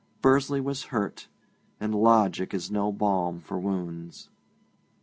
Bursley was hurt, and logic is no balm for wounds.